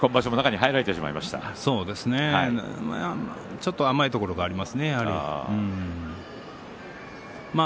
ちょっと甘いところがありますね。